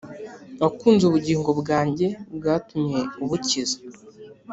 wakunze ubugingo bwanjye bwatumye ubukiza